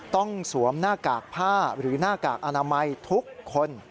สวมหน้ากากผ้าหรือหน้ากากอนามัยทุกคน